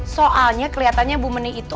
soalnya kelihatannya bu meni itu